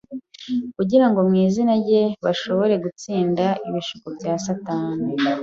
kugira ngo mu izina rye bashobore gutsinda ibishuko bya Satani.